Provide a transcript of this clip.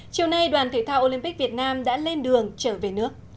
chiều nay đoàn thể thao olympic việt nam đã lên đường trở về nước